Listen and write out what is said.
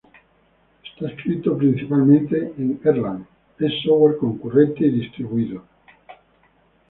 Está escrito principalmente en Erlang, es software concurrente y distribuido.